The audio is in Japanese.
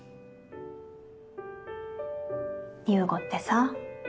優吾ってさ